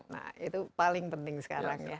nah itu paling penting sekarang ya